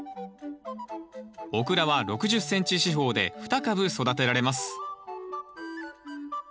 オクラは６０ｃｍ四方で２株育てられます。